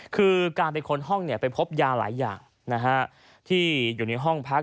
คือการไปค้นห้องไปพบยาหลายอย่างที่อยู่ในห้องพัก